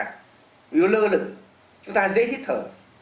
nếu lơ lửng chúng ta dễ hít thở